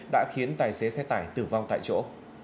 đã khiến tài xế xe tải tử vong tại chỗ